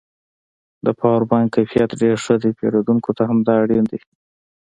د پاور بانک کیفیت ډېر ښه دی پېرودونکو ته همدا اړین دی